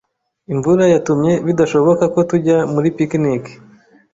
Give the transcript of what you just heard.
Imvura yatumye bidashoboka ko tujya muri picnic.